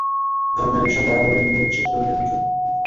ধর্মের এইসব বাড়াবাড়ির মূলোচ্ছেদ করলেন বুদ্ধ।